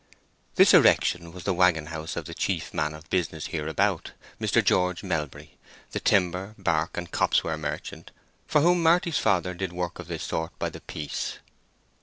This erection was the wagon house of the chief man of business hereabout, Mr. George Melbury, the timber, bark, and copse ware merchant for whom Marty's father did work of this sort by the piece.